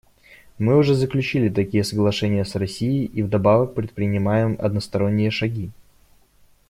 Мы уже заключили такие соглашения с Россией и вдобавок предпринимаем односторонние шаги.